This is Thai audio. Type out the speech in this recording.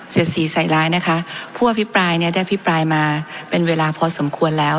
เสียสีใส่ร้ายนะคะผู้อภิปรายเนี่ยได้อภิปรายมาเป็นเวลาพอสมควรแล้ว